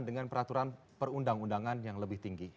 dengan peraturan perundang undangan yang lebih tinggi